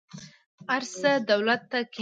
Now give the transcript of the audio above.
ارڅه دولته کينه.